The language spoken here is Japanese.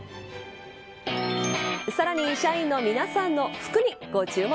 さらに、社員の皆さんの服にご注目。